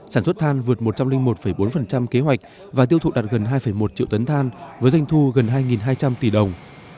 sản xuất than vượt một trăm linh một bốn kế hoạch và tiêu thụ đạt gần hai một triệu tấn than với doanh thu gần hai hai trăm linh tỷ đồng